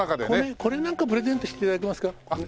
これなんかプレゼントして頂けますか？